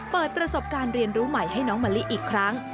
เปิดประสบการณ์เรียนรู้ใหม่ให้น้องมะลิอีกครั้ง